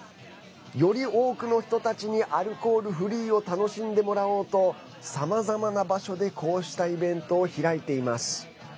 より多くの人たちにアルコールフリーを楽しんでもらおうとさまざまな場所でこうしたイベントを開いています。